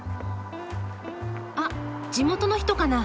あっ地元の人かな。